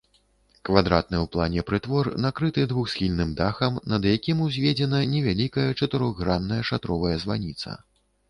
Квадратны ў плане прытвор накрыты двухсхільным дахам, над якім узведзена невялікая чатырохгранная шатровая званіца.